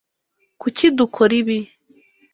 Kuki dukora ibi?